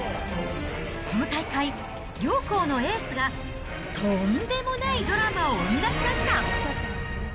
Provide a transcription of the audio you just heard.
この大会、両校のエースがとんでもないドラマを生み出しました。